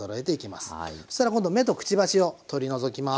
そしたら今度目とくちばしを取り除きます。